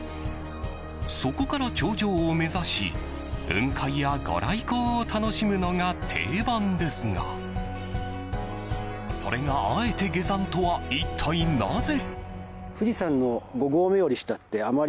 そこから頂上を目指し、雲海やご来光を楽しむのが定番ですがそれが、あえて下山とは一体なぜ？